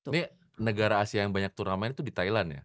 ini negara asia yang banyak turnamen itu di thailand ya